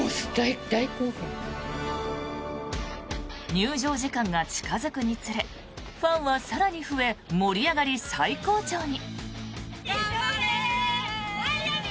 入場時間が近付くにつれファンは更に増え盛り上がりは最高潮に。